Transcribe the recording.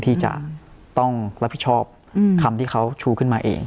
ที่จะต้องรับผิดชอบคำที่เขาชูขึ้นมาเอง